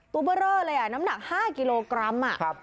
เบอร์เรอเลยน้ำหนัก๕กิโลกรัม